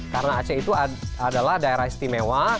karena aceh itu adalah daerah istimewa